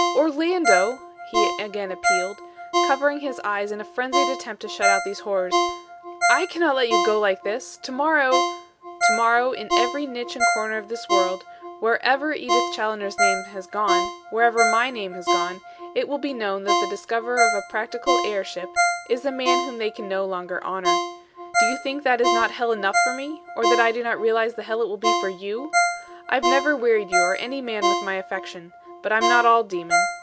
"Orlando!" he again appealed, covering his eyes in a frenzied attempt to shut out these horrors, "I cannot let you go like this. To morrow " "To morrow, in every niche and corner of this world, wherever Edith Challoner's name has gone, wherever my name has gone, it will be known that the discoverer of a practical air ship, is a man whom they can no longer honour. Do you think that is not hell enough for me; or that I do not realise the hell it will be for you? I've never wearied you or any man with my affection; but I'm not all demon.